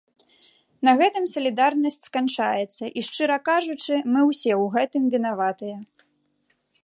На гэтым салідарнасць сканчаецца, і, шчыра кажучы, мы ўсе ў гэтым вінаватыя.